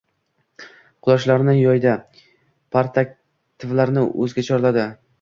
Qulochlarini yoydi. Partaktivlarni o‘ziga chorladi.